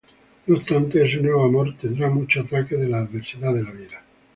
No obstante, ese nuevo amor tendrá muchos ataques de la adversidad de la vida.